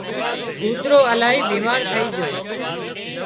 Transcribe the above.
ڪوترو الاهي بيمار ٿئي جھو